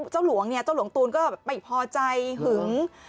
เจ้าหลวงตูนก็ไปพอใจหึง